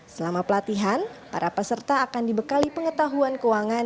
selama pelatihan para peserta akan dibekali pengetahuan keuangan